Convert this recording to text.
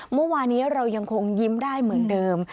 เมื่อวานี้เรายังคงยิ้มได้เหมือนเดิม